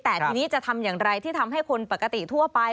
แต่ทีนี้จะทำอย่างไรที่ทำให้คนปกติทั่วไป